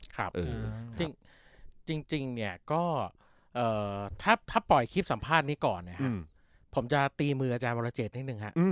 ครับจริงเนี่ยก็ถ้าปล่อยคลิปสัมภาษณ์นี้ก่อนนะครับผมจะตีมืออาจารย์วรเจตนิดนึงฮะ